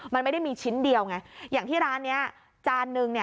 มันไม่ได้มีชิ้นเดียวไงอย่างที่ร้านนี้จานนึงเนี่ย